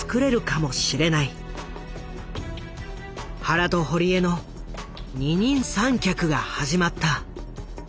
原と堀江の二人三脚が始まった。